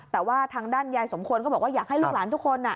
แต่ว่าทางด้านยายสมควรก็บอกว่าอยากให้ลูกหลานทุกคน